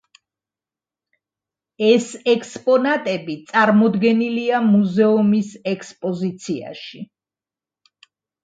ეს ექსპონატები წარმოდგენილია მუზეუმის ექსპოზიციაში.